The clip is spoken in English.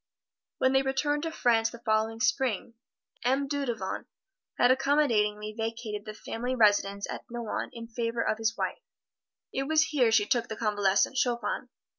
When they returned to France the following Spring, M. Dudevant had accommodatingly vacated the family residence at Nohant in favor of his wife. It was here she took the convalescent Chopin.